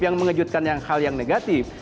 yang mengejutkan hal yang negatif